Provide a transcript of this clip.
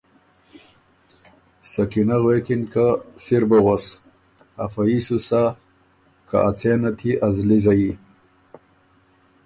سکینۀ غوېکِن که ”سِر بُو غؤس، افه يي سُو سَۀ که ا څېنت يې ا زلی زَيي“